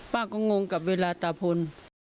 ป้าก็งงกับเวลาตาพล